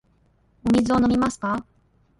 お水を飲みますか。